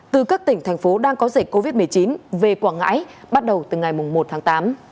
từ các tỉnh thành phố đang có dịch covid một mươi chín về quảng ngãi bắt đầu từ ngày một tháng tám